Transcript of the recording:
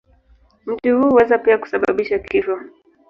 Mti huu huweza pia kusababisha kifo.